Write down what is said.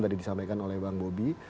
tadi disampaikan oleh bang bobi